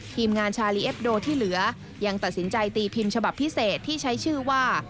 ทีมงานชาลีเอ็บโดที่เหลือยังตัดสินใจตีพิมพ์ฉบับพิเศษที่ใช้ชื่อว่า